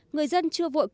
người dân chưa vội kỳ vụn